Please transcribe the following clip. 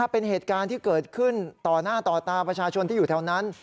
เป็นเหตุการณ์ที่เกิดขึ้นต่อหน้าต่อตาประชาชนที่อยู่แถวนั้น